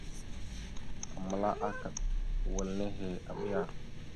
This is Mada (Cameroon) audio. Aməla akaɗ wal nehe, aɓiya.